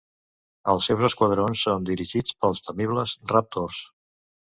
Els seus esquadrons són dirigits pels temibles "Raptors".